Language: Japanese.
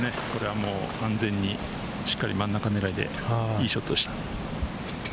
完全に真ん中狙いでいいショットでした。